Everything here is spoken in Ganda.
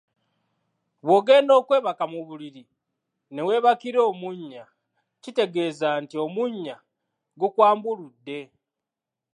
Bw’ogenda okwebaka mu buliri ne weebakira omunya, kitegeeza nti omunya gukwambuludde.